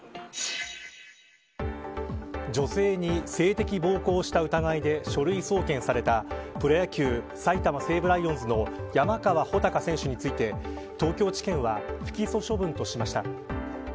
女性に性的暴行をした疑いで書類送検されたプロ野球、埼玉西武ライオンズの山川穂高選手について東京地検は不起訴処分としました。